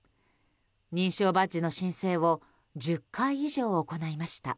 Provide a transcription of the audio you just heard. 認証バッジの申請を１０回以上行いました。